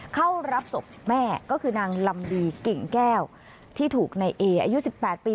เข้ารับศพแม่ก็คือนางลำดีกิ่งแก้วที่ถูกในเออายุ๑๘ปี